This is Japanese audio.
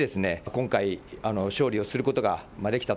今回、勝利をすることができたと。